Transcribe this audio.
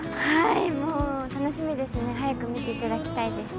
もう楽しみですね、早く見ていただきたいです。